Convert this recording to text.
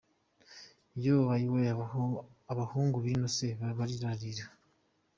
Yoo! Ayiwee! abahungu bino se barirarira.